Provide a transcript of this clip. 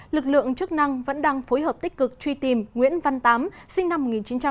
lực lượng chức năng vẫn đang phối hợp tích cực truy tìm nguyễn văn tám sinh năm một nghìn chín trăm tám mươi